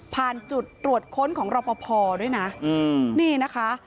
ผ่านจุดตรวจค้นของรับประพอด์ด้วยนะนี่นะคะ